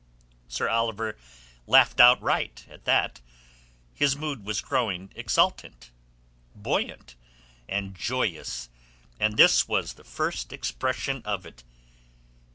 Sir Oliver laughed outright at that. His mood was growing exultant, buoyant, and joyous, and this was the first expression of it.